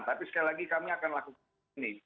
tapi sekali lagi kami akan lakukan ini